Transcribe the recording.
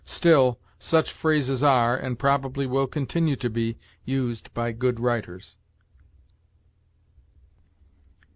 Still such phrases are, and probably will continue to be, used by good writers.